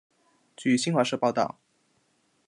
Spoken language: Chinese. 据新华社报道